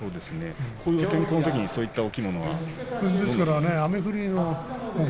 こういった天候のときにそういうお着物は？